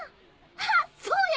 あっそうや！